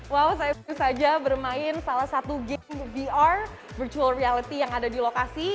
wow saya saja bermain salah satu game vr virtual reality yang ada di lokasi